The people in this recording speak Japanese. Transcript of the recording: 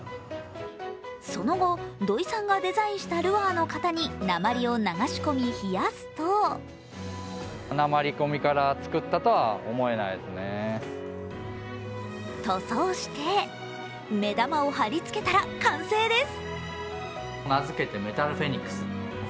その後、土井さんがデザインしたルアーの型に鉛を流し込み冷やすと塗装して、目玉を貼り付けたら完成です。